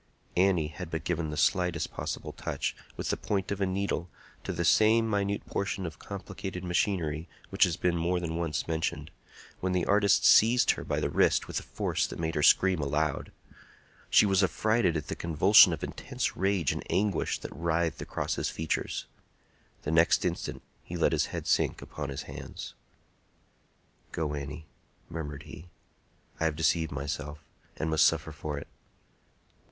Annie had but given the slightest possible touch, with the point of a needle, to the same minute portion of complicated machinery which has been more than once mentioned, when the artist seized her by the wrist with a force that made her scream aloud. She was affrighted at the convulsion of intense rage and anguish that writhed across his features. The next instant he let his head sink upon his hands. "Go, Annie," murmured he; "I have deceived myself, and must suffer for it.